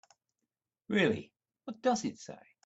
Really, what does it say?